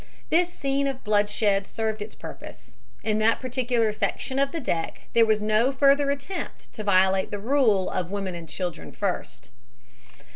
This scene of bloodshed served its purpose. In that particular section of the deck there was no further attempt to violate the rule of "women and children first."